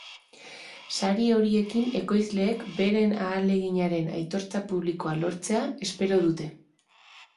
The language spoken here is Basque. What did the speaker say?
Sari horiekin ekoizleek beren ahaleginaren aitortza publikoa lortzea espero dute.